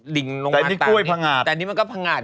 ลิงลงมาตรงนี้แต่นี่มันก็พังอาด